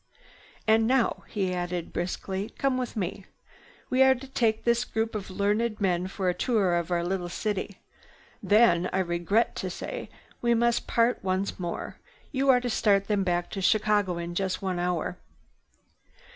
"And now," he added briskly, "come with me. We are to take this group of learned men for a tour of our little city. Then, I regret to say, we must part once more. You are to start them back to Chicago in just one hour."